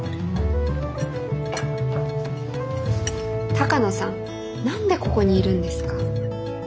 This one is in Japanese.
鷹野さん何でここにいるんですか？